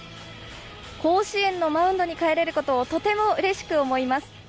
甲子園のマウンドに帰れることをとてもうれしく思います。